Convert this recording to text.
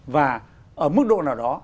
và ở mức độ nào đó